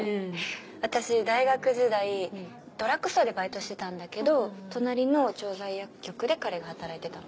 私大学時代ドラッグストアでバイトしてたんだけど隣の調剤薬局で彼が働いてたの。